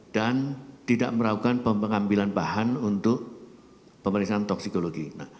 dan tidak meragukan pengambilan bahan untuk pemeriksaan toksikologi